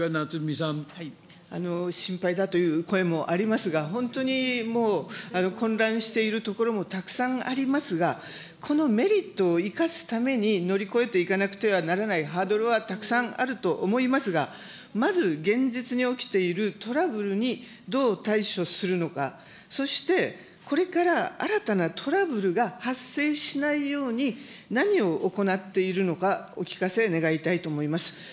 心配だという声もありますが、本当にもう混乱している所もたくさんありますが、このメリットを生かすために乗り越えていかなくてはならないハードルはたくさんあると思いますが、まず、現実に起きているトラブルにどう対処するのか、そしてこれから新たなトラブルが発生しないように、何を行っているのか、お聞かせ願いたいと思います。